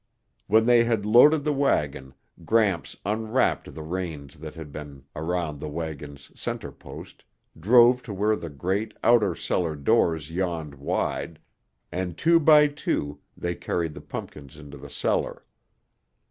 When they had loaded the wagon, Gramps unwrapped the reins that had been around the wagon's center post, drove to where the great, outer cellar doors yawned wide, and two by two they carried the pumpkins into the cellar.